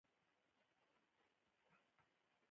نننی بشر له نورو سره ګډ سوله ییز ژوند ته اړتیا لري.